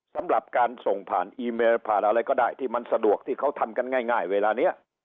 สำหรับการส่งผ่านอีเมลผ่านอะไรก็ได้ที่มันสะดวกที่เขาทำกันง่ายเวลานี้